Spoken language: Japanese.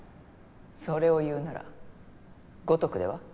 それを言うなら五徳では？